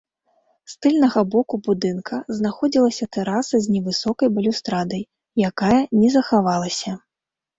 З тыльнага боку будынка знаходзілася тэраса с невысокай балюстрадай, якая не захавалася.